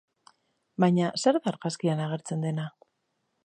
Baina, zer da argazkian agertzen dena?